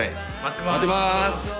待ってます。